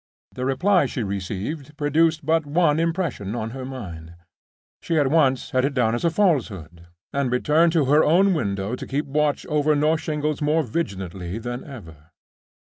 The reply she received produced but one impression on her mind. She at once set it down as a falsehood, and returned to her own window to keep watch over North Shingles more vigilantly than ever.